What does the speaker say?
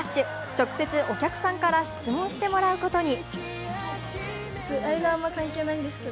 直接お客さんから質問してもらうことに。